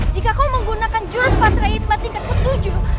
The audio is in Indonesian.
jika kau menggunakan jurus patra hitmat tingkat ketujuh